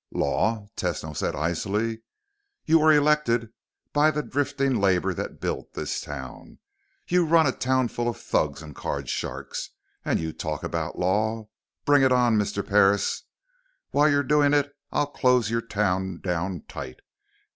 "Law?" Tesno said icily. "You were elected by the drifting labor that built this town. You run a town full of thugs and card sharks. And you talk about law! Bring it on, Mr. Parris. While you're doing it, I'll close your town down tight.